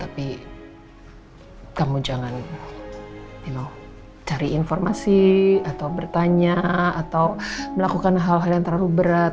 tapi kamu jangan cari informasi atau bertanya atau melakukan hal hal yang terlalu berat